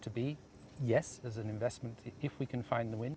apakah ini adalah negara yang kita inginkan